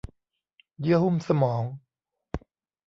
เยื่อหุ้มสมอง